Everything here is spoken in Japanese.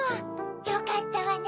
よかったわね。